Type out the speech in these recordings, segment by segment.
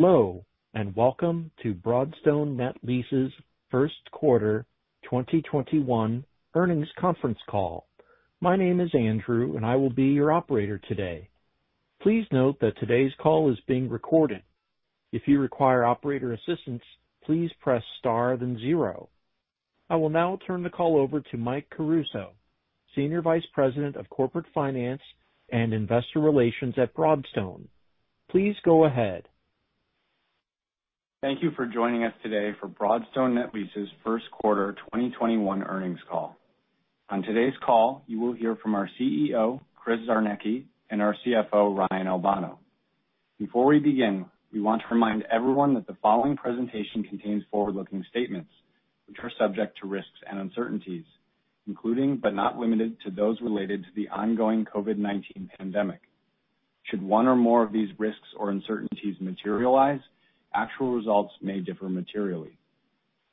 Hello, and welcome to Broadstone Net Lease's first quarter 2021 earnings conference call. My name is Andrew, and I will be your operator today. Please note that today's call is being recorded. If you require operator assistance, please press star then zero. I will now turn the call over to Mike Caruso, Senior Vice President of Corporate Finance and Investor Relations at Broadstone. Please go ahead. Thank you for joining us today for Broadstone Net Lease's first quarter 2021 earnings call. On today's call, you will hear from our CEO, Chris Czarnecki, and our CFO, Ryan Albano. Before we begin, we want to remind everyone that the following presentation contains forward-looking statements, which are subject to risks and uncertainties, including but not limited to those related to the ongoing COVID-19 pandemic. Should one or more of these risks or uncertainties materialize, actual results may differ materially.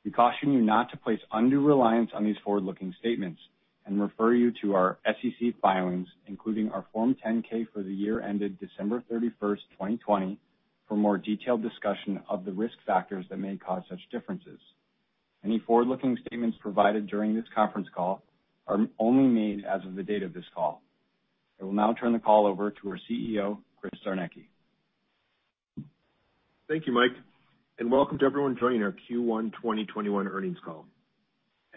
We caution you not to place undue reliance on these forward-looking statements and refer you to our SEC filings, including our Form 10-K for the year ended December 31st, 2020, for more detailed discussion of the risk factors that may cause such differences. Any forward-looking statements provided during this conference call are only made as of the date of this call. I will now turn the call over to our CEO, Chris Czarnecki. Thank you, Mike, and welcome to everyone joining our Q1 2021 earnings call.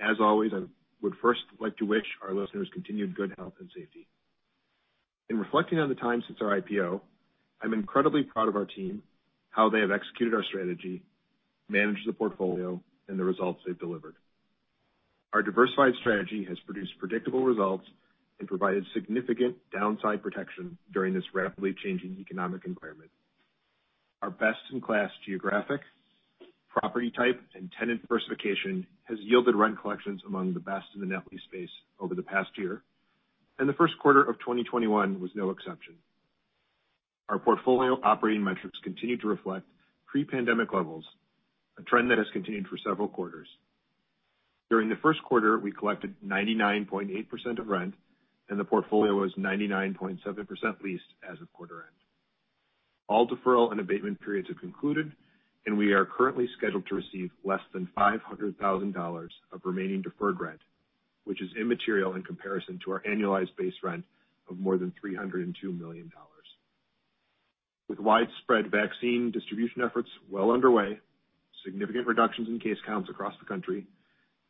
As always, I would first like to wish our listeners continued good health and safety. In reflecting on the time since our IPO, I'm incredibly proud of our team, how they have executed our strategy, managed the portfolio, and the results they've delivered. Our diversified strategy has produced predictable results and provided significant downside protection during this rapidly changing economic environment. Our best-in-class geographic, property type, and tenant diversification has yielded rent collections among the best in the net lease space over the past year, and the first quarter of 2021 was no exception. Our portfolio operating metrics continue to reflect pre-pandemic levels, a trend that has continued for several quarters. During the first quarter, we collected 99.8% of rent, and the portfolio was 99.7% leased as of quarter-end. All deferral and abatement periods have concluded. We are currently scheduled to receive less than $500,000 of remaining deferred rent, which is immaterial in comparison to our annualized base rent of more than $302 million. With widespread vaccine distribution efforts well underway, significant reductions in case counts across the country,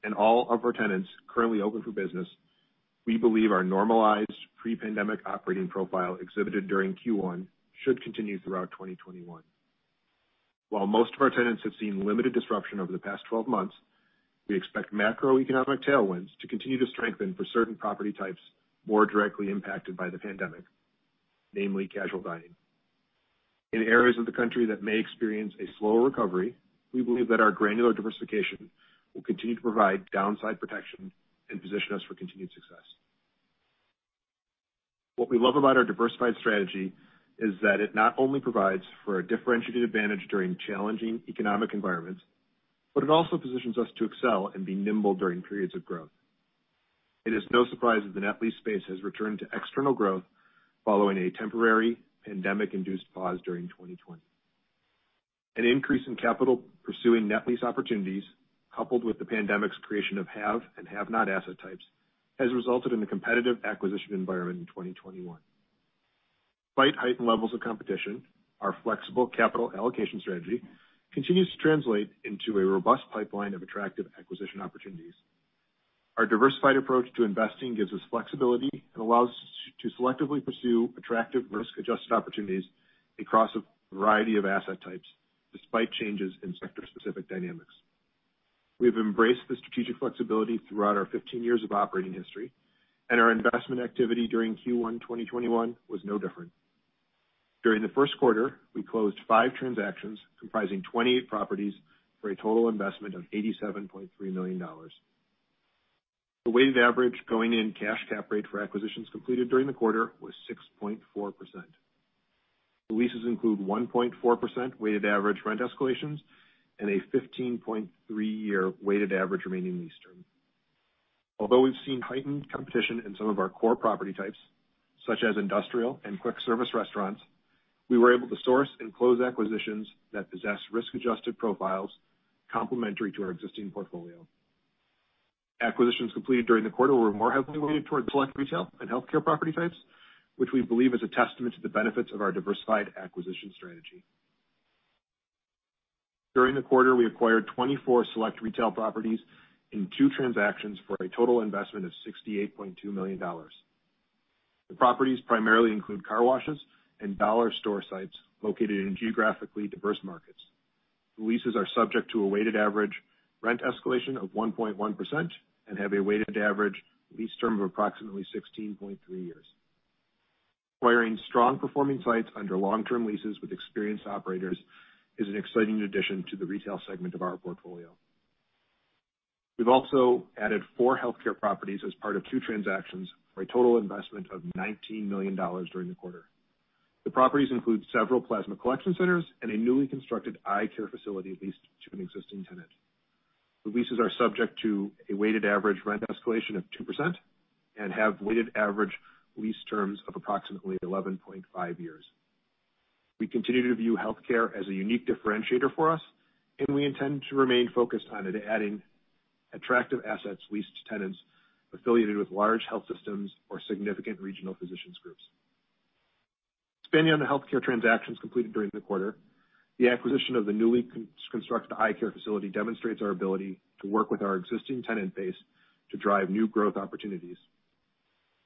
and all of our tenants currently open for business, we believe our normalized pre-pandemic operating profile exhibited during Q1 should continue throughout 2021. Most of our tenants have seen limited disruption over the past 12 months. We expect macroeconomic tailwinds to continue to strengthen for certain property types more directly impacted by the pandemic, namely casual dining. In areas of the country that may experience a slower recovery, we believe that our granular diversification will continue to provide downside protection and position us for continued success. What we love about our diversified strategy is that it not only provides for a differentiated advantage during challenging economic environments but it also positions us to excel and be nimble during periods of growth. It is no surprise that the net lease space has returned to external growth following a temporary pandemic-induced pause during 2020. An increase in capital pursuing net lease opportunities, coupled with the pandemic's creation of have and have-not asset types, has resulted in a competitive acquisition environment in 2021. Despite heightened levels of competition, our flexible capital allocation strategy continues to translate into a robust pipeline of attractive acquisition opportunities. Our diversified approach to investing gives us flexibility and allows to selectively pursue attractive risk-adjusted opportunities across a variety of asset types, despite changes in sector-specific dynamics. We've embraced the strategic flexibility throughout our 15 years of operating history, and our investment activity during Q1 2021 was no different. During the first quarter, we closed five transactions comprising 28 properties for a total investment of $87.3 million. The weighted average going-in cash cap rate for acquisitions completed during the quarter was 6.4%. The leases include 1.4% weighted average rent escalations and a 15.3-year weighted average remaining lease term. Although we've seen heightened competition in some of our core property types, such as industrial and quick service restaurants, we were able to source and close acquisitions that possess risk-adjusted profiles complementary to our existing portfolio. Acquisitions completed during the quarter were more heavily weighted towards select retail and healthcare property types, which we believe is a testament to the benefits of our diversified acquisition strategy. During the quarter, we acquired 24 select retail properties in two transactions for a total investment of $68.2 million. The properties primarily include car washes and Dollar Store sites located in geographically diverse markets. The leases are subject to a weighted average rent escalation of 1.1% and have a weighted average lease term of approximately 16.3 years. Acquiring strong performing sites under long-term leases with experienced operators is an exciting addition to the retail segment of our portfolio. We've also added four healthcare properties as part of two transactions for a total investment of $19 million during the quarter. The properties include several plasma collection centers and a newly constructed eye care facility leased to an existing tenant. The leases are subject to a weighted average rent escalation of 2% and have weighted average lease terms of approximately 11.5 years. We continue to view healthcare as a unique differentiator for us, and we intend to remain focused on adding attractive assets leased to tenants affiliated with large health systems or significant regional physicians' groups. Expanding on the healthcare transactions completed during the quarter, the acquisition of the newly constructed eye care facility demonstrates our ability to work with our existing tenant base to drive new growth opportunities.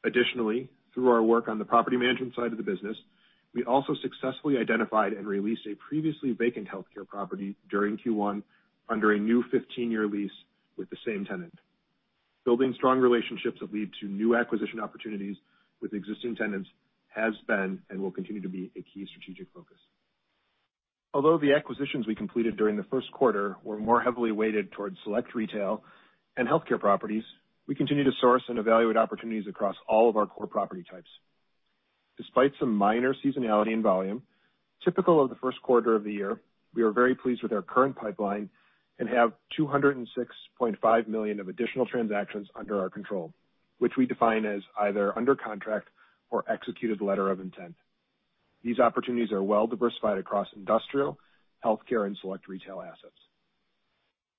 Additionally, through our work on the property management side of the business, we also successfully identified and re-leased a previously vacant healthcare property during Q1 under a new 15-year lease with the same tenant. Building strong relationships that lead to new acquisition opportunities with existing tenants has been and will continue to be a key strategic focus. Although the acquisitions we completed during the first quarter were more heavily weighted towards select retail and healthcare properties, we continue to source and evaluate opportunities across all of our core property types. Despite some minor seasonality and volume typical of the first quarter of the year, we are very pleased with our current pipeline and have $206.5 million of additional transactions under our control, which we define as either under contract or executed letter of intent. These opportunities are well diversified across industrial, healthcare, and select retail assets.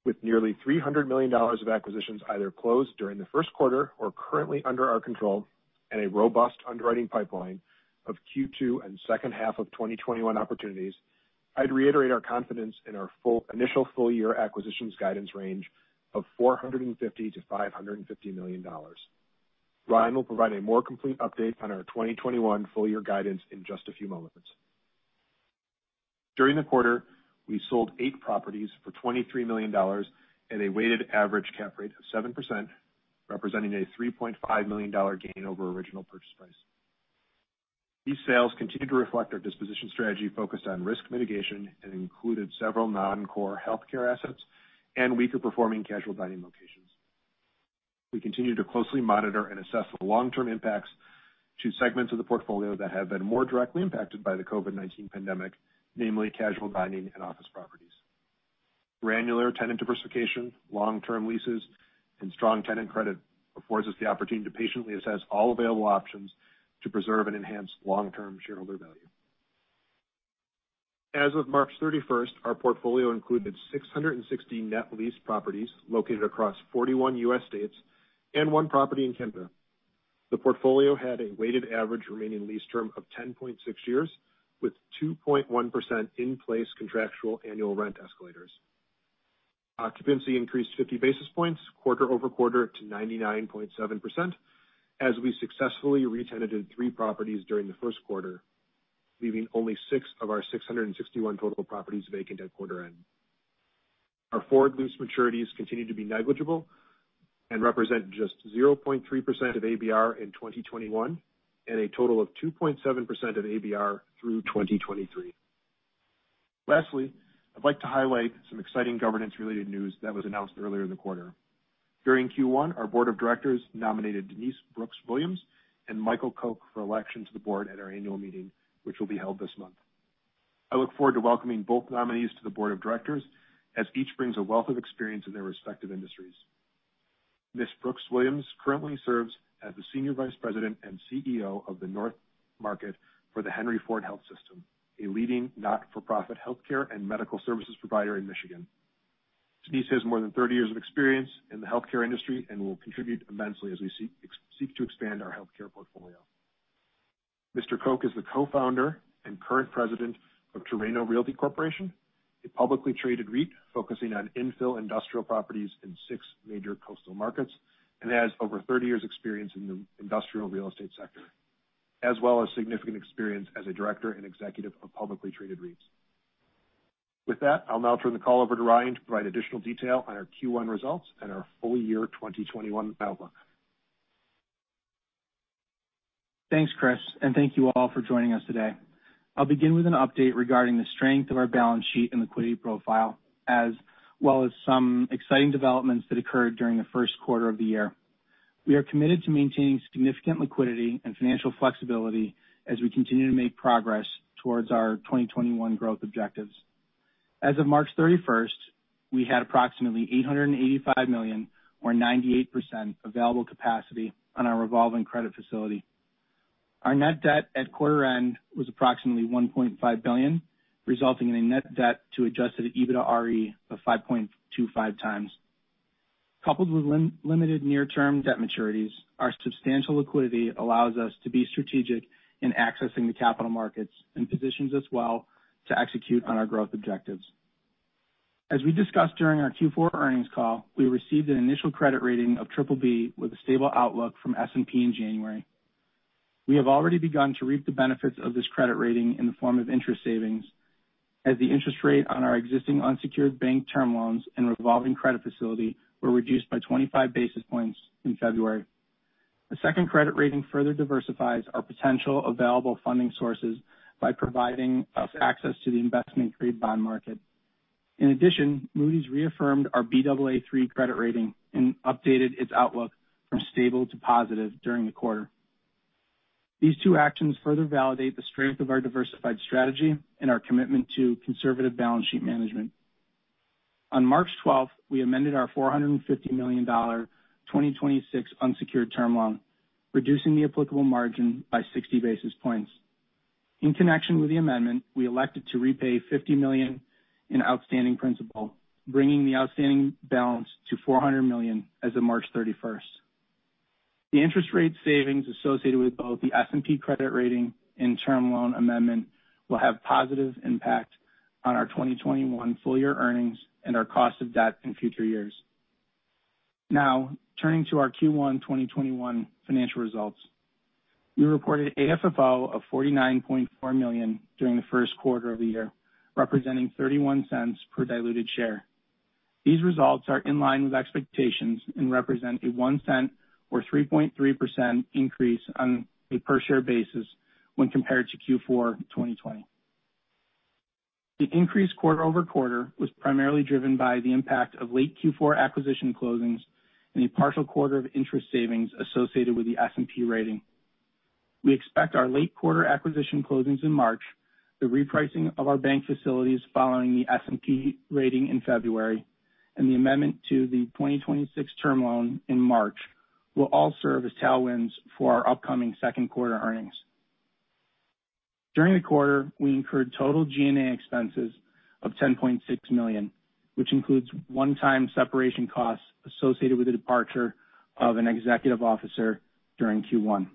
With nearly $300 million of acquisitions either closed during the first quarter or currently under our control, and a robust underwriting pipeline of Q2 and second half of 2021 opportunities, I'd reiterate our confidence in our initial full-year acquisitions guidance range of $450 million-$550 million. Ryan will provide a more complete update on our 2021 full-year guidance in just a few moments. During the quarter, we sold eight properties for $23 million at a weighted average cap rate of 7%, representing a $3.5 million gain over original purchase price. These sales continue to reflect our disposition strategy focused on risk mitigation and included several non-core healthcare assets and weaker performing casual dining locations. We continue to closely monitor and assess the long-term impacts to segments of the portfolio that have been more directly impacted by the COVID-19 pandemic, namely casual dining and office properties. Granular tenant diversification, long-term leases, and strong tenant credit affords us the opportunity to patiently assess all available options to preserve and enhance long-term shareholder value. As of March 31st, our portfolio included 660 net lease properties located across 41 U.S. states and one property in Canada. The portfolio had a weighted average remaining lease term of 10.6 years, with 2.1% in place contractual annual rent escalators. Occupancy increased 50 basis points quarter-over-quarter to 99.7% as we successfully re-tenanted three properties during the first quarter, leaving only six of our 661 total properties vacant at quarter end. Our forward lease maturities continue to be negligible and represent just 0.3% of ABR in 2021 and a total of 2.7% of ABR through 2023. Lastly, I'd like to highlight some exciting governance-related news that was announced earlier in the quarter. During Q1, our board of directors nominated Denise Brooks-Williams and Michael Coke for election to the board at our annual meeting, which will be held this month. I look forward to welcoming both nominees to the board of directors, as each brings a wealth of experience in their respective industries. Ms. Brooks-Williams currently serves as the Senior Vice President and CEO of the North Market for the Henry Ford Health System, a leading not-for-profit healthcare and medical services provider in Michigan. Denise has more than 30 years of experience in the healthcare industry and will contribute immensely as we seek to expand our healthcare portfolio. Mr. Coke is the co-founder and current president of Terreno Realty Corporation, a publicly traded REIT focusing on infill industrial properties in six major coastal markets, and has over 30 years experience in the industrial real estate sector, as well as significant experience as a director and executive of publicly traded REITs. With that, I'll now turn the call over to Ryan to provide additional detail on our Q1 results and our full-year 2021 outlook. Thanks, Chris. Thank you all for joining us today. I'll begin with an update regarding the strength of our balance sheet and liquidity profile, as well as some exciting developments that occurred during the first quarter of the year. We are committed to maintaining significant liquidity and financial flexibility as we continue to make progress towards our 2021 growth objectives. As of March 31st, we had approximately $885 million or 98% available capacity on our revolving credit facility. Our net debt at quarter end was approximately $1.5 billion, resulting in a net debt to adjusted EBITDAre of 5.25x. Coupled with limited near term debt maturities, our substantial liquidity allows us to be strategic in accessing the capital markets and positions us well to execute on our growth objectives. As we discussed during our Q4 earnings call, we received an initial credit rating of BBB with a stable outlook from S&P in January. We have already begun to reap the benefits of this credit rating in the form of interest savings as the interest rate on our existing unsecured bank term loans and revolving credit facility were reduced by 25 basis points in February. The second credit rating further diversifies our potential available funding sources by providing us access to the investment-grade bond market. In addition, Moody's reaffirmed our Baa3 credit rating and updated its outlook from stable to positive during the quarter. These two actions further validate the strength of our diversified strategy and our commitment to conservative balance sheet management. On March 12th, we amended our $450 million 2026 unsecured term loan, reducing the applicable margin by 60 basis points. In connection with the amendment, we elected to repay $50 million in outstanding principal, bringing the outstanding balance to $400 million as of March 31st. The interest rate savings associated with both the S&P credit rating and term loan amendment will have positive impact on our 2021 full-year earnings and our cost of debt in future years. Now, turning to our Q1 2021 financial results. We reported AFFO of $49.4 million during the first quarter of the year, representing $0.31 per diluted share. These results are in line with expectations and represent a $0.01 or 3.3% increase on a per share basis when compared to Q4 2020. The increase quarter-over-quarter was primarily driven by the impact of late Q4 acquisition closings and a partial quarter of interest savings associated with the S&P rating. We expect our late quarter acquisition closings in March, the repricing of our bank facilities following the S&P rating in February, and the amendment to the 2026 term loan in March will all serve as tailwinds for our upcoming second-quarter earnings. During the quarter, we incurred total G&A expenses of $10.6 million, which includes one-time separation costs associated with the departure of an executive officer during Q1.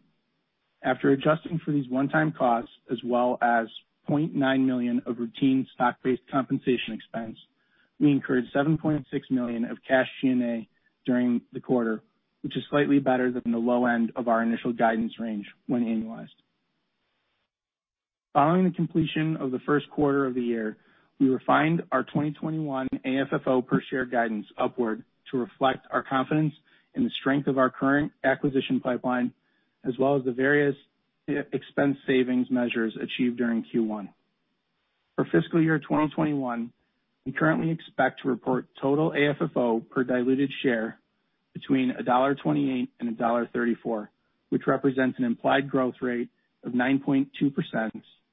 After adjusting for these one-time costs, as well as $0.9 million of routine stock-based compensation expense, we incurred $7.6 million of cash G&A during the quarter, which is slightly better than the low end of our initial guidance range when annualized. Following the completion of the first quarter of the year, we refined our 2021 AFFO per share guidance upward to reflect our confidence in the strength of our current acquisition pipeline, as well as the various expense savings measures achieved during Q1. For fiscal year 2021, we currently expect to report total AFFO per diluted share between $1.28 and $1.34, which represents an implied growth rate of 9.2%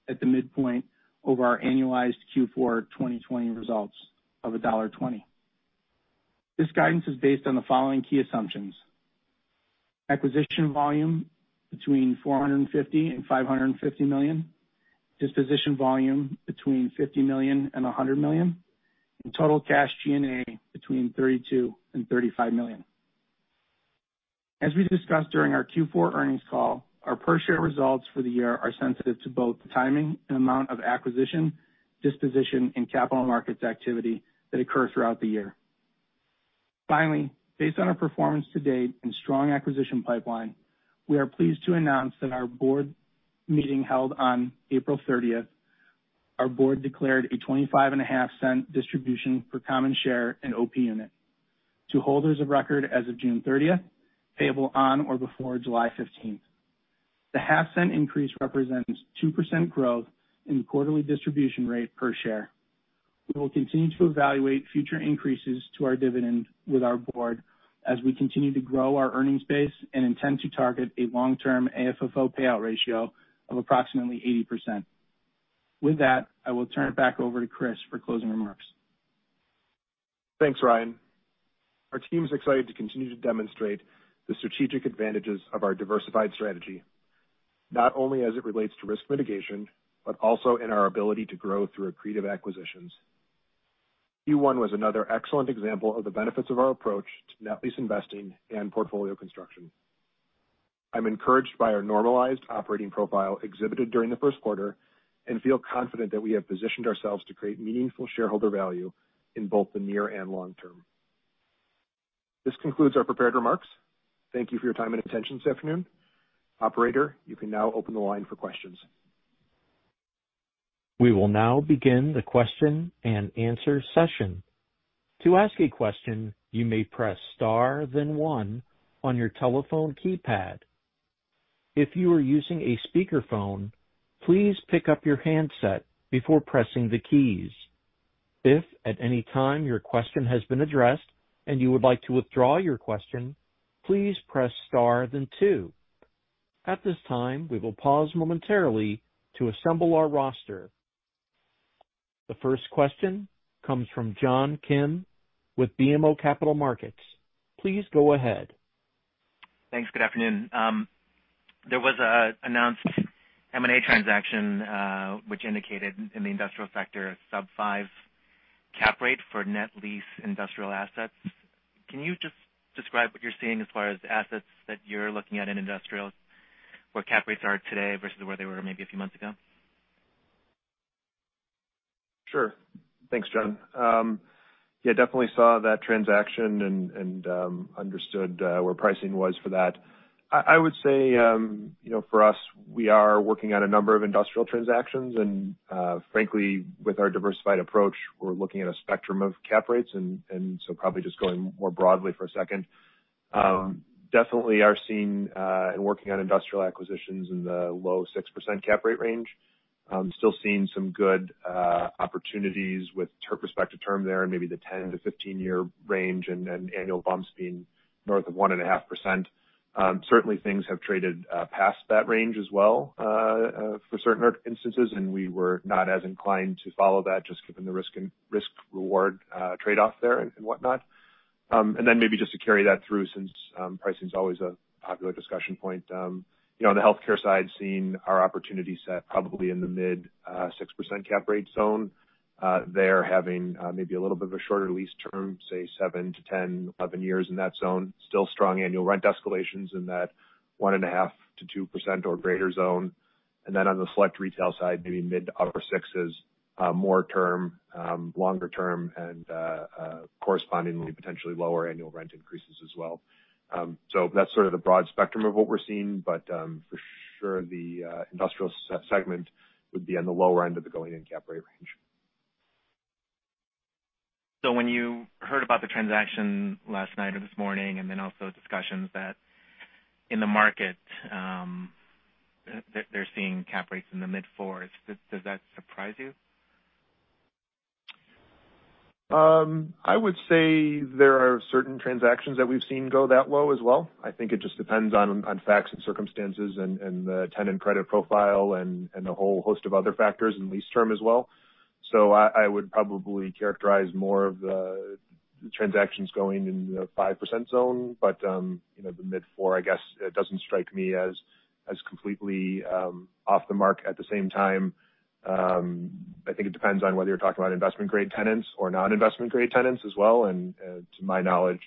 at the midpoint over our annualized Q4 2020 results of $1.20. This guidance is based on the following key assumptions. Acquisition volume between $450 million and $550 million, disposition volume between $50 million and $100 million, and total cash G&A between $32 million and $35 million. As we discussed during our Q4 earnings call, our per share results for the year are sensitive to both the timing and amount of acquisition, disposition, and capital markets activity that occur throughout the year. Finally, based on our performance to date and strong acquisition pipeline, we are pleased to announce that our board meeting held on April 30th, our board declared a $0.255 distribution per common share and OP Unit to holders of record as of June 30th, payable on or before July 15th. The $0.005 increase represents 2% growth in quarterly distribution rate per share. We will continue to evaluate future increases to our dividend with our board as we continue to grow our earnings base and intend to target a long-term AFFO payout ratio of approximately 80%. With that, I will turn it back over to Chris for closing remarks. Thanks, Ryan. Our team is excited to continue to demonstrate the strategic advantages of our diversified strategy, not only as it relates to risk mitigation, but also in our ability to grow through accretive acquisitions. Q1 was another excellent example of the benefits of our approach to net lease investing and portfolio construction. I'm encouraged by our normalized operating profile exhibited during the first quarter and feel confident that we have positioned ourselves to create meaningful shareholder value in both the near and long term. This concludes our prepared remarks. Thank you for your time and attention this afternoon. Operator, you can now open the line for questions. We will now begin the question and answer session. To ask a question, you may press star then one on your telephone keypad. If you are using a speakerphone, please pick up your handset before pressing the keys. If at any time your question has been addressed and you would like to withdraw your question, please press star then two. At this time, we will pause momentarily to assemble our roster. The first question comes from John Kim with BMO Capital Markets. Please go ahead. Thanks. Good afternoon. There was an announced M&A transaction, which indicated in the industrial sector a sub-five cap rate for net lease industrial assets. Can you just describe what you're seeing as far as assets that you're looking at in industrials, where cap rates are today versus where they were maybe a few months ago? Sure. Thanks, John. Yeah, definitely saw that transaction and understood where pricing was for that. I would say for us, we are working on a number of industrial transactions, and frankly, with our diversified approach, we're looking at a spectrum of cap rates. Probably just going more broadly for a second. Definitely are seeing and working on industrial acquisitions in the low 6% cap rate range. I'm still seeing some good opportunities with respect to term there in maybe the 10-15 year range and annual bumps being north of 1.5%. Certainly, things have traded past that range as well for certain instances. We were not as inclined to follow that, just given the risk/reward trade-off there and whatnot. Maybe just to carry that through, since pricing is always a popular discussion point. On the healthcare side, seeing our opportunity set probably in the mid 6% cap rate zone. They're having maybe a little bit of a shorter lease term, say seven to 10, 11 years in that zone. Still strong annual rent escalations in that 1.5%-2% or greater zone. On the select retail side, maybe mid to upper sixes, more term, longer term, and correspondingly potentially lower annual rent increases as well. That's sort of the broad spectrum of what we're seeing, but for sure, the industrial segment would be on the lower end of the going-in cap rate range. When you heard about the transaction last night or this morning, and then also discussions that in the market they're seeing cap rates in the mid-fours. Does that surprise you? I would say there are certain transactions that we've seen go that low as well. I think it just depends on facts and circumstances and the tenant credit profile, and a whole host of other factors and lease term as well. I would probably characterize more of the transactions going in the 5% zone. The mid-four, I guess, it doesn't strike me as completely off the mark. At the same time, I think it depends on whether you're talking about investment-grade tenants or non-investment-grade tenants as well. To my knowledge,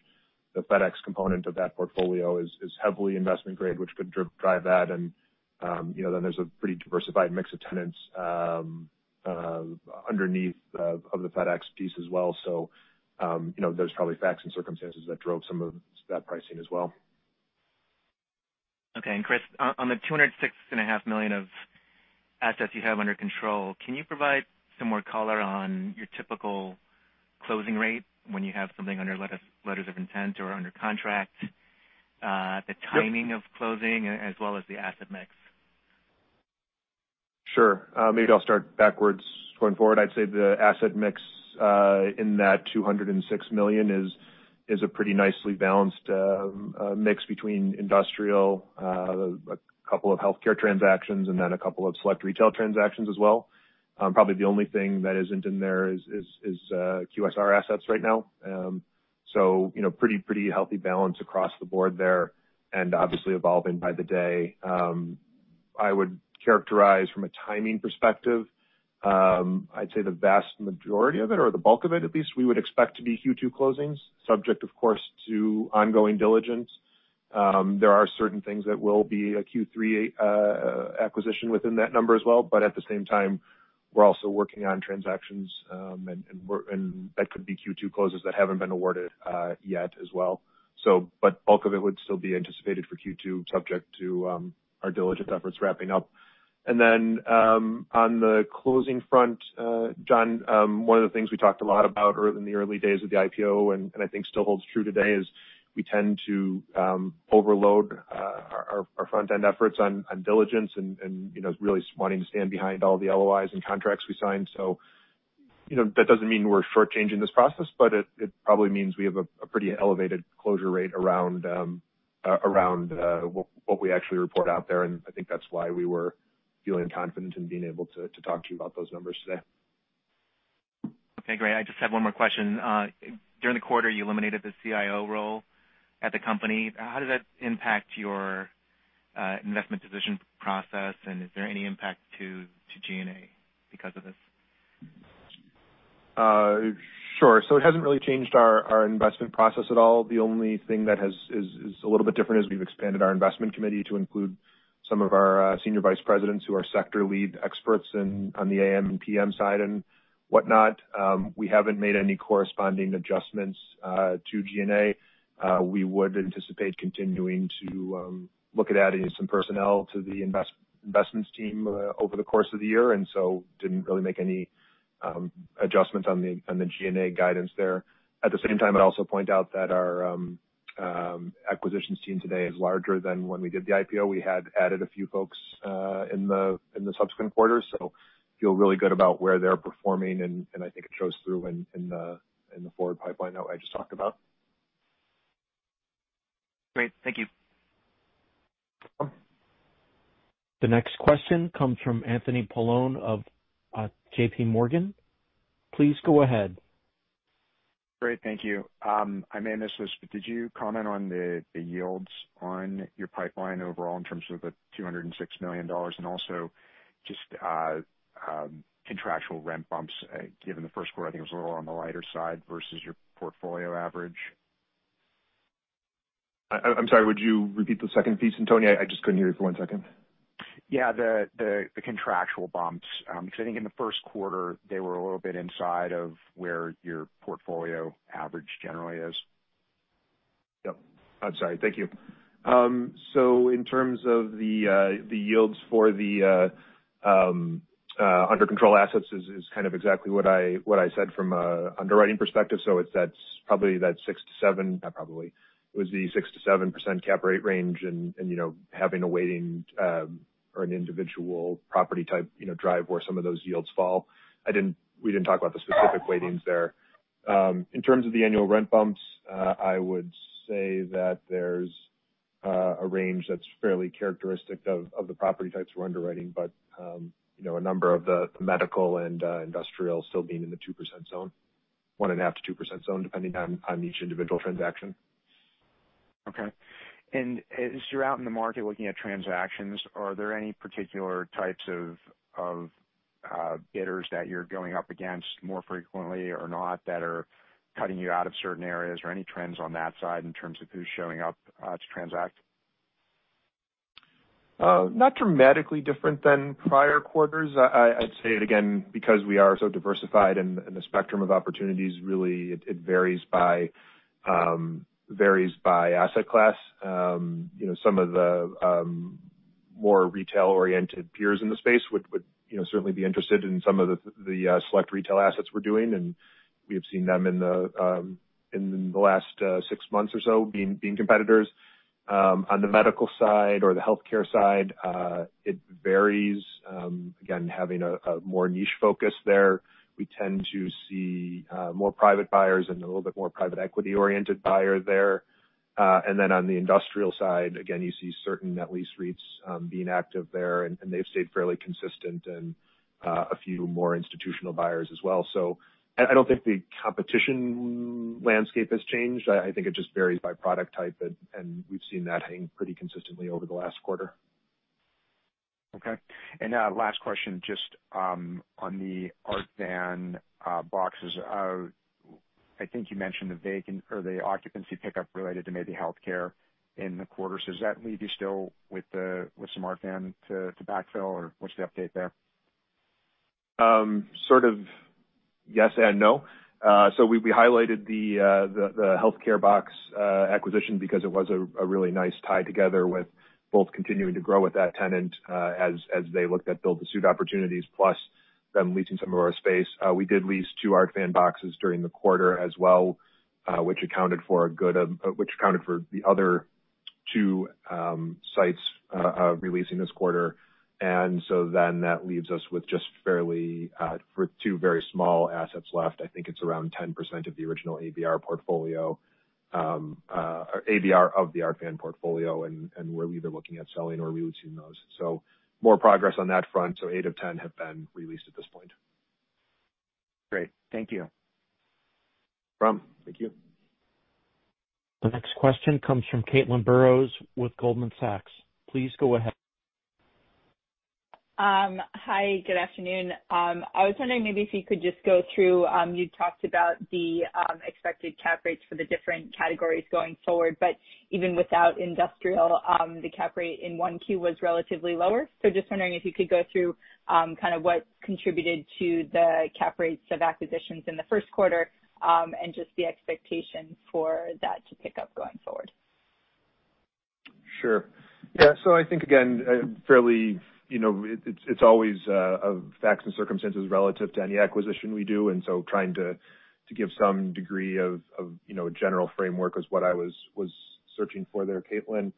the FedEx component of that portfolio is heavily investment-grade, which could drive that. There's a pretty diversified mix of tenants underneath of the FedEx piece as well. There's probably facts and circumstances that drove some of that pricing as well. Okay. Chris, on the $206.5 million of assets you have under control, can you provide some more color on your typical closing rate when you have something under letters of intent or under contract, the timing of closing, as well as the asset mix? Sure. Maybe I'll start backwards going forward. I'd say the asset mix in that $206 million is a pretty nicely balanced mix between industrial, a couple of healthcare transactions, and then a couple of select retail transactions as well. Probably the only thing that isn't in there is QSR assets right now. Pretty healthy balance across the board there, and obviously evolving by the day. I would characterize from a timing perspective, I'd say the vast majority of it, or the bulk of it at least, we would expect to be Q2 closings, subject, of course, to ongoing diligence. There are certain things that will be a Q3 acquisition within that number as well, but at the same time, we're also working on transactions, and that could be Q2 closes that haven't been awarded yet as well. Bulk of it would still be anticipated for Q2, subject to our diligence efforts wrapping up. On the closing front, John, one of the things we talked a lot about in the early days of the IPO, and I think still holds true today, is we tend to overload our front-end efforts on diligence and really wanting to stand behind all the LOIs and contracts we sign. That doesn't mean we're short-changing this process, but it probably means we have a pretty elevated closure rate around what we actually report out there. I think that's why we were feeling confident in being able to talk to you about those numbers today. Okay, great. I just have one more question. During the quarter, you eliminated the CIO role at the company. How did that impact your investment decision process, and is there any impact to G&A because of this? Sure. It hasn't really changed our investment process at all. The only thing that is a little bit different is we've expanded our investment committee to include some of our senior vice presidents who are sector lead experts on the AM and PM side, and whatnot. We haven't made any corresponding adjustments to G&A. We would anticipate continuing to look at adding some personnel to the investments team over the course of the year, and so didn't really make any adjustments on the G&A guidance there. At the same time, I'd also point out that our acquisitions team today is larger than when we did the IPO. We had added a few folks in the subsequent quarters. Feel really good about where they're performing, and I think it shows through in the forward pipeline that I just talked about. Great. Thank you. The next question comes from Anthony Paolone of JPMorgan. Please go ahead. Great. Thank you. I may have missed this, but did you comment on the yields on your pipeline overall in terms of the $206 million, and also just contractual rent bumps, given the first quarter, I think it was a little on the lighter side versus your portfolio average. I'm sorry. Would you repeat the second piece, Anthony? I just couldn't hear you for one second. Yeah, the contractual bumps, because I think in the first quarter, they were a little bit inside of where your portfolio average generally is. Yep. I'm sorry. Thank you. In terms of the yields for the under control assets is kind of exactly what I said from a underwriting perspective. It's probably that 6% to 7%, not probably. It was the 6%-7% cap rate range, and having a weighting or an individual property type drive where some of those yields fall. We didn't talk about the specific weightings there. In terms of the annual rent bumps, I would say that there's a range that's fairly characteristic of the property types we're underwriting, but a number of the medical and industrial still being in the 1.5%-2% zone, depending on each individual transaction. Okay. As you're out in the market looking at transactions, are there any particular types of bidders that you're going up against more frequently or not, that are cutting you out of certain areas? Any trends on that side in terms of who's showing up to transact? Not dramatically different than prior quarters. I'd say it again, because we are so diversified in the spectrum of opportunities, really, it varies by asset class. Some of the more retail-oriented peers in the space would certainly be interested in some of the select retail assets we're doing, and we have seen them in the last six months or so being competitors. On the medical side or the healthcare side, it varies. Again, having a more niche focus there, we tend to see more private buyers and a little bit more private equity-oriented buyer there. Then on the industrial side, again, you see certain net lease REITs being active there, and they've stayed fairly consistent, and a few more institutional buyers as well. I don't think the competition landscape has changed. I think it just varies by product type, and we've seen that hang pretty consistently over the last quarter. Okay. Last question, just on the Art Van boxes. I think you mentioned the vacancy or the occupancy pickup related to maybe healthcare in the quarter. Does that leave you still with some Art Van to backfill, or what's the update there? Sort of yes and no. We highlighted the healthcare box acquisition because it was a really nice tie together with both continuing to grow with that tenant as they looked at build-to-suit opportunities, plus them leasing some of our space. We did lease two Art Van boxes during the quarter as well, which accounted for the other two sites re-leasing this quarter. That leaves us with just two very small assets left. I think it's around 10% of the original ABR of the Art Van portfolio, and we're either looking at selling or re-leasing those. More progress on that front. Eight of 10 have been re-leased at this point. Great. Thank you. No problem. Thank you. The next question comes from Caitlin Burrows with Goldman Sachs. Please go ahead. Hi, good afternoon. I was wondering maybe if you could just go through. You talked about the expected cap rates for the different categories going forward, but even without industrial, the cap rate in 1Q was relatively lower. Just wondering if you could go through what contributed to the cap rates of acquisitions in the first quarter, and just the expectation for that to pick up going forward. Sure. Yeah. I think, again, it's always facts and circumstances relative to any acquisition we do; trying to give some degree of a general framework was what I was searching for there, Caitlin.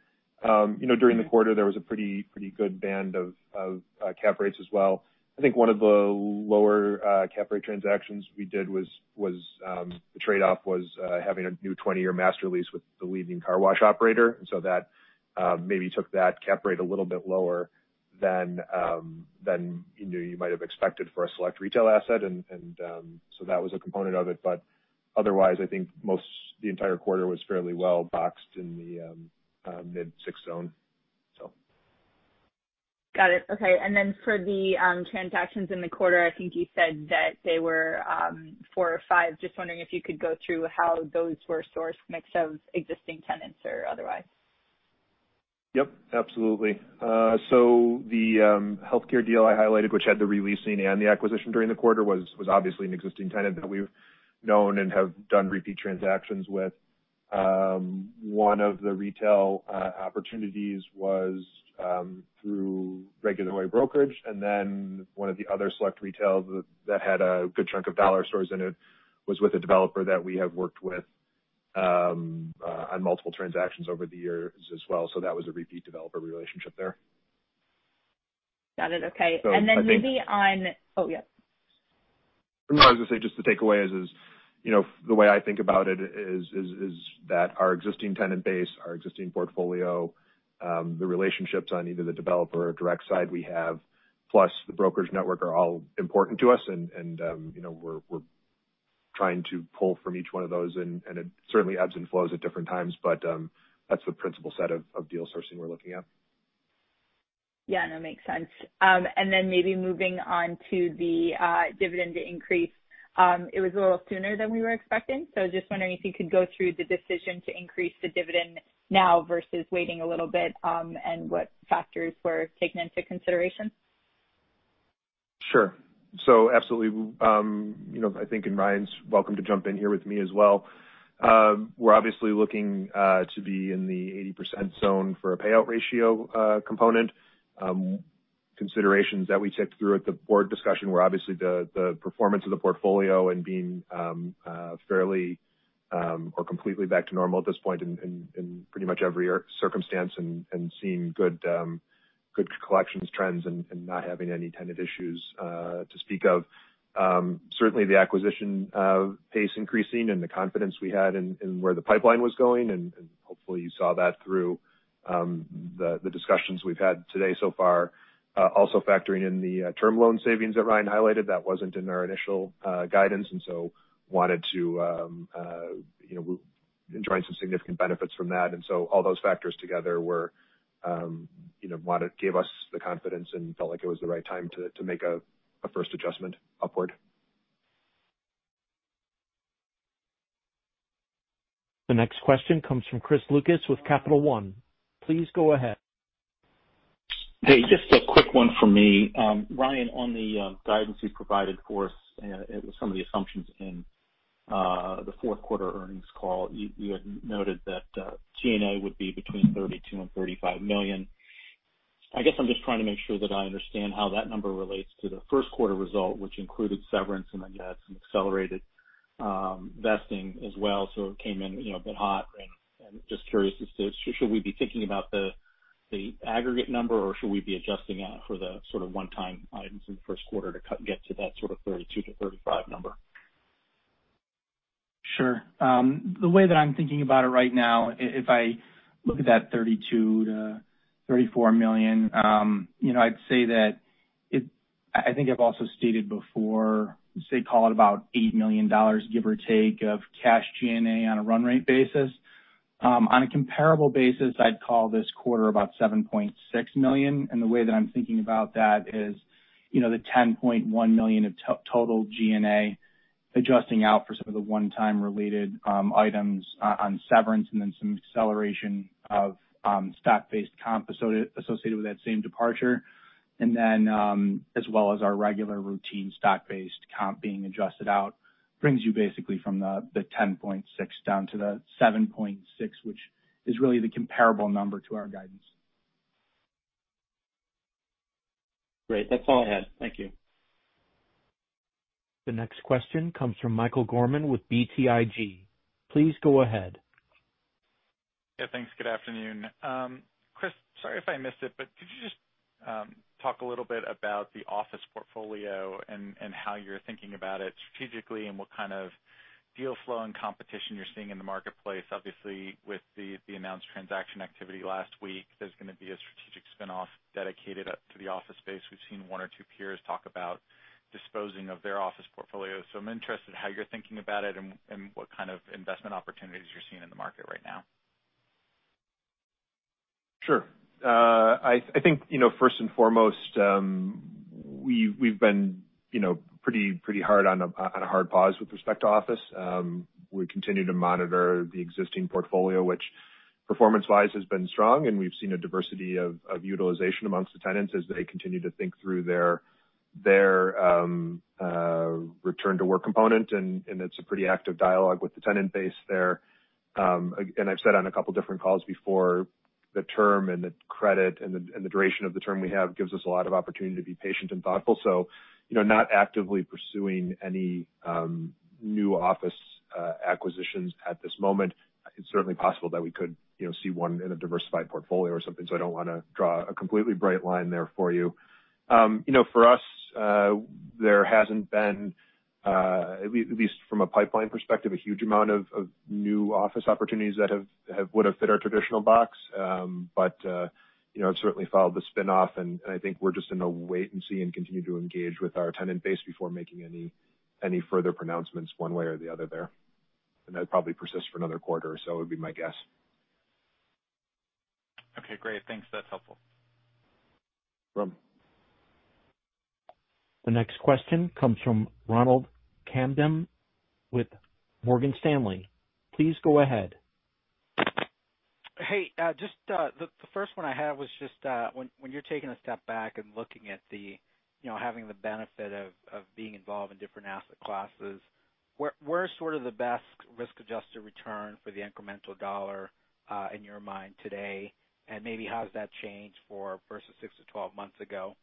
During the quarter, there was a pretty good band of cap rates as well. I think one of the lower cap rate transactions we did was the trade-off was having a new 20-year master lease with the leading car wash operator. That maybe took that cap rate a little bit lower than you might have expected for a select retail asset. That was a component of it. Otherwise, I think the entire quarter was fairly well boxed in the mid-six zone. Got it. Okay. For the transactions in the quarter, I think you said that they were four or five. Just wondering if you could go through how those were sourced, mix of existing tenants or otherwise? Yep, absolutely. The healthcare deal I highlighted, which had the re-leasing and the acquisition during the quarter, was obviously an existing tenant that we've known and have done repeat transactions with. One of the retail opportunities was through regular brokerage, and then one of the other select retails that had a good chunk of Dollar Stores in it was with a developer that we have worked with on multiple transactions over the years as well. That was a repeat developer relationship there. Got it. Okay. So I think- Oh, yeah. No, I was going to say, just the takeaway is the way I think about it is that our existing tenant base, our existing portfolio, the relationships on either the developer or direct side we have, plus the brokerage network, are all important to us. We're trying to pull from each one of those, and it certainly ebbs and flows at different times, but that's the principal set of deal sourcing we're looking at. Yeah, no, makes sense. Maybe moving on to the dividend increase. It was a little sooner than we were expecting. Just wondering if you could go through the decision to increase the dividend now versus waiting a little bit, and what factors were taken into consideration. Sure. Absolutely. I think Ryan's welcome to jump in here with me as well. We're obviously looking to be in the 80% zone for a payout ratio component. Considerations that we took through at the board discussion were obviously the performance of the portfolio and being fairly or completely back to normal at this point in pretty much every circumstance and seeing good collections trends, and not having any tenant issues to speak of. Certainly, the acquisition pace increasing and the confidence we had in where the pipeline was going. Hopefully, you saw that through the discussions we've had today so far. Factoring in the term loan savings that Ryan highlighted, that wasn't in our initial guidance, wanted to enjoy some significant benefits from that. All those factors together gave us the confidence and felt like it was the right time to make a first adjustment upward. The next question comes from Chris Lucas with Capital One. Please go ahead. Hey, just a quick one from me. Ryan, on the guidance you provided for us, some of the assumptions in the fourth quarter earnings call, you had noted that G&A would be between $32 million and $35 million. I guess I'm just trying to make sure that I understand how that number relates to the first quarter result, which included severance. Then you had some accelerated vesting as well. It came in a bit hot, and just curious as to should we be thinking about the aggregate number or should we be adjusting it for the sort of one-time items in the first quarter to get to that sort of $32 to $35 number? Sure. The way that I'm thinking about it right now, if I look at that $32 million to $34 million, I'd say that I think I've also stated before, say, call it about $8 million, give or take of cash G&A on a run rate basis. On a comparable basis, I'd call this quarter about $7.6 million. The way that I'm thinking about that is, the $10.1 million of total G&A adjusting out for some of the one-time related items on severance and then some acceleration of stock-based comp associated with that same departure. Then, as well as our regular routine, stock-based comp being adjusted out brings you basically from the $10.6 million down to the $7.6 million, which is really the comparable number to our guidance. Great. That's all I had. Thank you. The next question comes from Michael Gorman with BTIG. Please go ahead. Yeah, thanks. Good afternoon. Chris, sorry if I missed it, but could you just talk a little bit about the office portfolio and how you're thinking about it strategically and what kind of deal flow and competition you're seeing in the marketplace? With the announced transaction activity last week, there's going to be a strategic spinoff dedicated up to the office space. We've seen one or two peers talk about disposing of their office portfolio. I'm interested how you're thinking about it and what kind of investment opportunities you're seeing in the market right now. Sure. I think first and foremost, we've been pretty hard on a hard pause with respect to office. We continue to monitor the existing portfolio, which, performance-wise, has been strong, and we've seen a diversity of utilization amongst the tenants as they continue to think through their return to work component. It's a pretty active dialogue with the tenant base there. I've said on a couple different calls before, the term and the credit and the duration of the term we have gives us a lot of opportunity to be patient and thoughtful. Not actively pursuing any new office acquisitions at this moment. It's certainly possible that we could see one in a diversified portfolio or something, so I don't want to draw a completely bright line there for you. For us, there hasn't been, at least from a pipeline perspective, a huge amount of new office opportunities that would have fit our traditional box. It certainly followed the spinoff, and I think we're just in a wait-and-see and continue to engage with our tenant base before making any further pronouncements one way or the other there. That'll probably persist for another quarter or so, would be my guess. Okay, great. Thanks. That's helpful. No problem. The next question comes from Ronald Kamdem with Morgan Stanley. Please go ahead. Hey, just the first one I had was just when you're taking a step back and looking at having the benefit of being involved in different asset classes, where's sort of the best risk-adjusted return for the incremental dollar in your mind today, and maybe how has that changed for versus 6 to 12 months ago?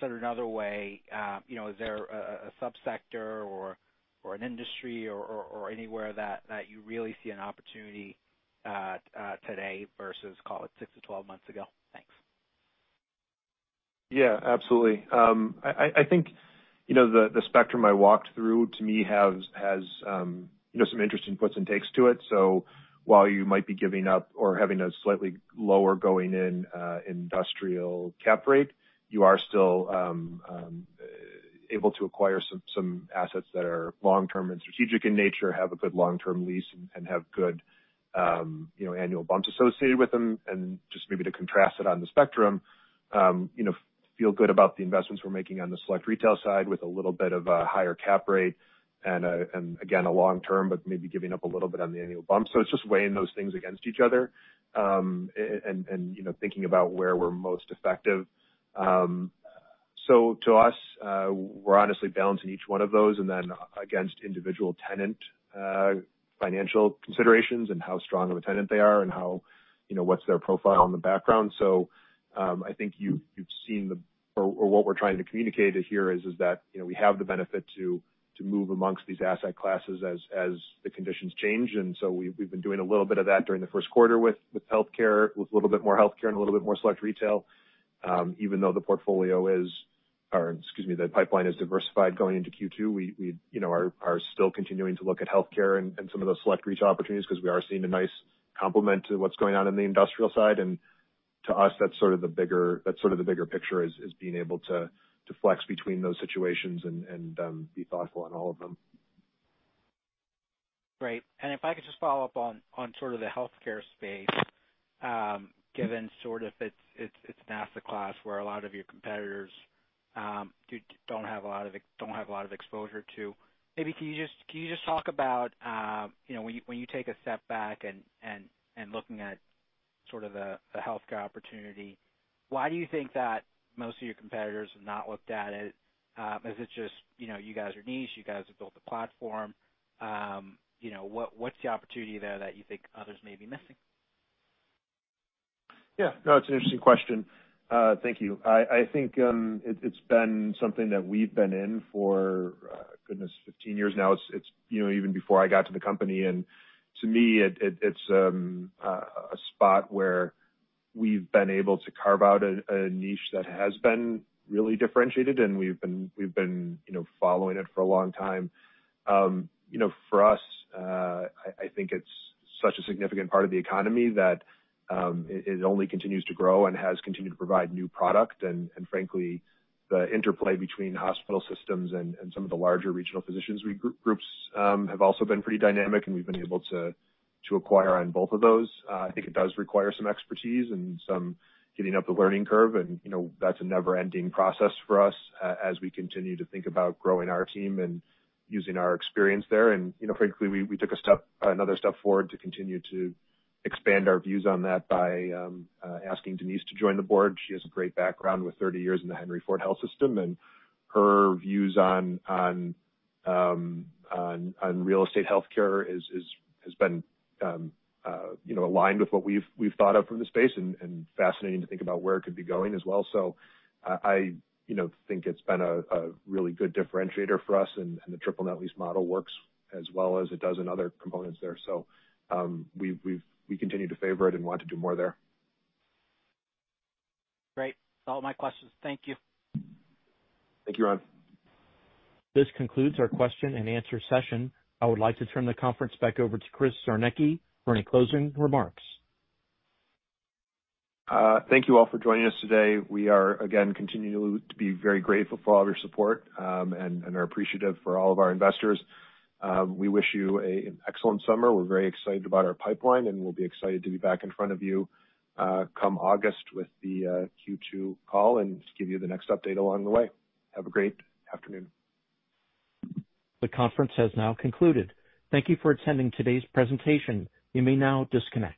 Said another way, is there a sub-sector or an industry or anywhere that you really see an opportunity today versus call it 6 to 12 months ago? Thanks. Yeah, absolutely. I think the spectrum I walked through to me has some interesting puts and takes to it. While you might be giving up or having a slightly lower going in industrial cap rate, you are still able to acquire some assets that are long-term and strategic in nature, have a good long-term lease and have good annual bumps associated with them. Just maybe to contrast it on the spectrum, feel good about the investments we're making on the select retail side with a little bit of a higher cap rate and again, a long-term, but maybe giving up a little bit on the annual bump. It's just weighing those things against each other and thinking about where we're most effective. To us, we're honestly balancing each one of those and then against individual tenant financial considerations and how strong of a tenant they are, and what's their profile and the background. What we're trying to communicate here is that we have the benefit to move amongst these asset classes as the conditions change. We've been doing a little bit of that during the first quarter with healthcare, with a little bit more healthcare and a little bit more select retail. Even though the portfolio is, or excuse me, the pipeline is diversified going into Q2, we are still continuing to look at healthcare and some of those select retail opportunities because we are seeing a nice complement to what's going on in the industrial side. To us, that's sort of the bigger picture, is being able to flex between those situations and be thoughtful in all of them. Great. If I could just follow up on sort of the healthcare space, given sort of it's an asset class where a lot of your competitors don't have a lot of exposure to. Maybe can you just talk about when you take a step back and looking at sort of the healthcare opportunity, why do you think that most of your competitors have not looked at it? Is it just, you guys are niche? You guys have built the platform? What's the opportunity there that you think others may be missing? Yeah. No, it's an interesting question. Thank you. I think it's been something that we've been in for, goodness, 15 years now. It's even before I got to the company. To me, it's a spot where we've been able to carve out a niche that has been really differentiated, and we've been following it for a long time. For us, I think it's such a significant part of the economy that it only continues to grow and has continued to provide new product. Frankly, the interplay between hospital systems and some of the larger regional physicians groups have also been pretty dynamic, and we've been able to acquire on both of those. I think it does require some expertise and some getting up the learning curve, and that's a never-ending process for us as we continue to think about growing our team and using our experience there. Frankly, we took another step forward to continue to expand our views on that by asking Denise to join the Board. She has a great background with 30 years in the Henry Ford Health System, and her views on real estate healthcare has been aligned with what we've thought of from the space and fascinating to think about where it could be going as well. I think it's been a really good differentiator for us. The triple net lease model works as well as it does in other components there. We continue to favor it and want to do more there. Great. That's all my questions. Thank you. Thank you, Ryan. This concludes our question-and-answer session. I would like to turn the conference back over to Chris Czarnecki for any closing remarks. Thank you all for joining us today. We again continue to be very grateful for all of your support, and are appreciative for all of our investors. We wish you an excellent summer. We're very excited about our pipeline, and we'll be excited to be back in front of you come August with the Q2 call and give you the next update along the way. Have a great afternoon. The conference has now concluded. Thank you for attending today's presentation. You may now disconnect.